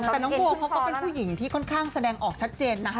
แต่น้องโบเขาก็เป็นผู้หญิงที่ค่อนข้างแสดงออกชัดเจนนะคะ